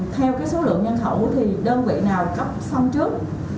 theo cái số lượng nhân thủ thì đơn vị nào cấp xong trước